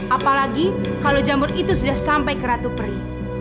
apalagi kalau jamur itu sudah sampai ke ratu peri